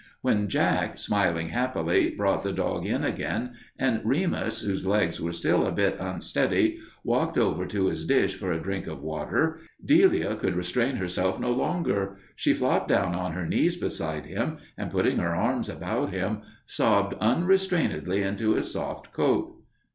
When Jack, smiling happily, brought the dog in again, and Remus, whose legs were still a bit unsteady, walked over to his dish for a drink of water, Delia could restrain herself no longer. She flopped down on her knees beside him, and putting her arms about him, sobbed unrestrainedly into his soft coat.